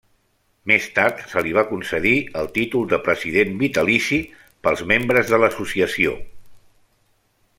Més tard se li va concedir el títol de President vitalici pels membres de l'associació.